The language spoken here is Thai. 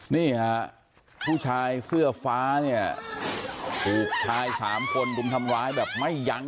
นี่ฮะผู้ชายเสื้อฟ้าเนี่ยถูกชายสามคนรุมทำร้ายแบบไม่ยั้ง